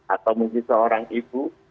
atau mungkin seorang ibu